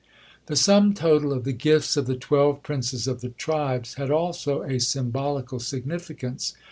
The sum total of the gifts of the twelve princes of the tribes had also a symbolical significance.